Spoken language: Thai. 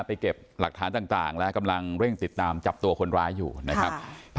เก็บหลักฐานต่างและกำลังเร่งติดตามจับตัวคนร้ายอยู่นะครับ